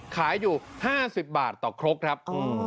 ขายอยู่๕๐บาทต่อครกครับ